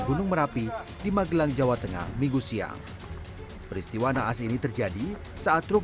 gunung merapi di magelang jawa tengah minggu siang peristiwa naas ini terjadi saat truk